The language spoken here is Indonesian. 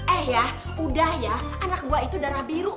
eh ya udah ya anak buah itu darah biru